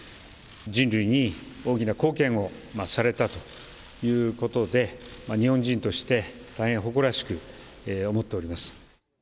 人類に大きな貢献をされたということで、日本人として大変誇らしく思っております。